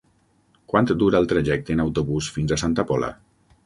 Quant dura el trajecte en autobús fins a Santa Pola?